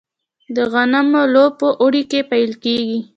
د غنمو لو په اوړي کې پیلیږي.